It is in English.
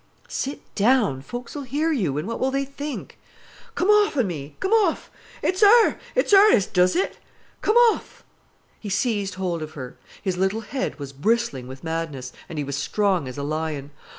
"Sit down—folks'll hear you, and what will they think?" "Come off'n me. Com' off. It's her, it's her as does it. Com' off." He seized hold of her. His little head was bristling with madness, and he was strong as a lion.